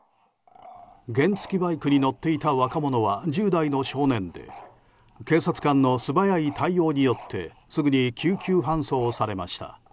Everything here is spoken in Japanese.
原付きバイクに乗っていた若者は１０代の少年で警察官の素早い対応によってすぐに救急搬送されました。